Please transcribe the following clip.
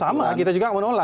sama kita juga menolak